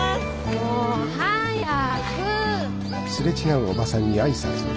もう早く！